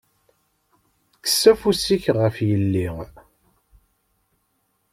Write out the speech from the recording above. Kkes afus-ik ɣef yelli!